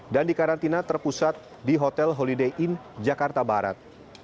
dan dikarantina terpusat di hotel holiday inn jakarta barat